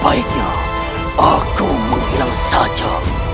baiknya aku menghilang saja